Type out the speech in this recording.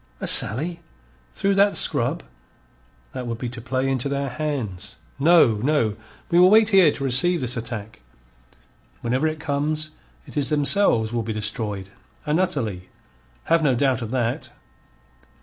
"A sally? Through that scrub? That would be to play into their hands. No, no, we will wait here to receive this attack. Whenever it comes, it is themselves will be destroyed, and utterly. Have no doubt of that."